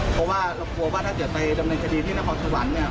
เพราะว่าเรากลัวว่าถ้าเกิดไปดำเนินคดีที่นครสวรรค์เนี่ย